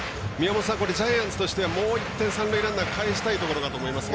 ジャイアンツとしてはもう１点、三塁ランナーをかえしたいところだと思いますが。